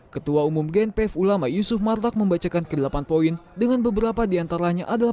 ketua umum gnpf ulama yusuf martak membacakan ke delapan poin dengan beberapa diantaranya adalah